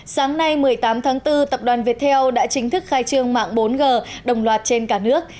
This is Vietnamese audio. sáng nay một mươi tám tháng bốn tập đoàn viettel đã chính thức khai trương mạng bốn g đồng loạt trên cả nước